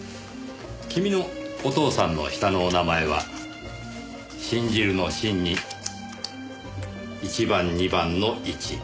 君のお父さんの下のお名前は信じるの「信」に一番二番の「一」。